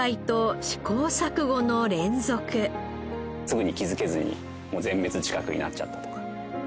すぐに気づけずにもう全滅近くになっちゃったとか。